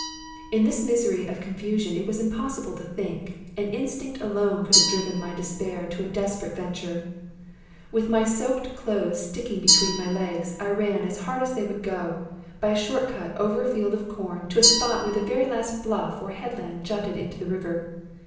In this misery of confusion it was impossible to think, and instinct alone could have driven my despair to a desperate venture. With my soaked clothes sticking between my legs, I ran as hard as they would go, by a short cut over a field of corn, to a spot where the very last bluff or headland jutted into the river.